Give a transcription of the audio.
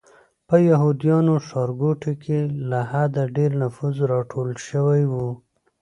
په یهودیانو ښارګوټي کې له حده ډېر نفوس راټول شوی و.